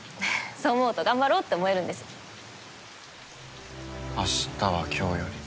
そう思うと頑張ろうって思える明日は今日より。